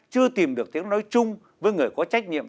chưa tìm được tiếng nói chung với người có trách nhiệm